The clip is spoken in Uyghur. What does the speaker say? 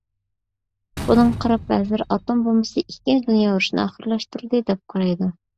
بۇنىڭغا قاراپ بەزىلەر «ئاتوم بومبىسى ئىككىنچى دۇنيا ئۇرۇشىنى ئاخىرلاشتۇردى» دەپ قارايدۇ.